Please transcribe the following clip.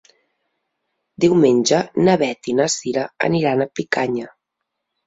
Diumenge na Beth i na Cira aniran a Picanya.